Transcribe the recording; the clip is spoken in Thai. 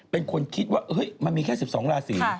เป็นคนคิดว่ามันมีแค่๑๒ราศี